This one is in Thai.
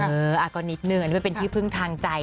เออก็นิดนึงอันนี้เป็นที่พึ่งทางใจ